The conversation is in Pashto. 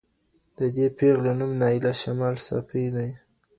د دې پېغلې نوم نایله شمال صافۍ دی.